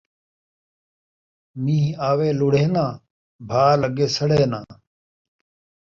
مین٘ہ آوے لڑھے ناں ، بھاء لڳے سڑے ناں